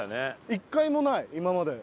一回もない今まで。